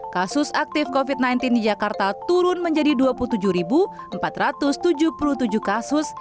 kasus aktif covid sembilan belas di jakarta turun menjadi dua puluh tujuh empat ratus tujuh puluh tujuh kasus